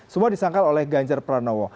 semua disangkal oleh ganjar pranowo